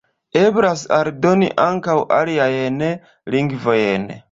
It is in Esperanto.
Eblas aldoni ankaŭ aliajn lingvojn.